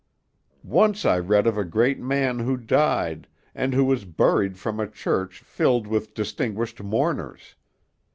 Once I read of a great man who died, and who was buried from a church filled with distinguished mourners.